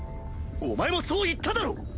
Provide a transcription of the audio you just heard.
お前もそう言っただろう！